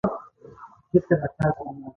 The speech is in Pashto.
ستاسې موخه یوازې د پیسو ګټل دي